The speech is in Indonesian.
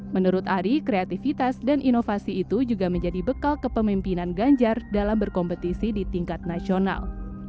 menurut ari kreativitas dan inovasi itu juga menjadi bekal kepemimpinan ganjar dalam berkompetisi di tingkat nasional